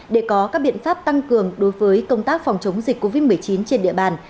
để có các biện pháp tăng cường đối với công tác phòng chống dịch covid một mươi chín trên địa bàn